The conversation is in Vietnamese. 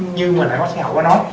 như mà nãy qua xã hội có nói